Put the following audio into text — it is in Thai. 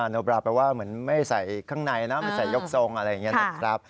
โนบราแปลว่าเหมือนไม่ใส่ข้างในนะไม่ใส่ยกทรงอะไรอย่างนี้นะครับ